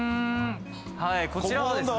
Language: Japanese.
こちらはですね。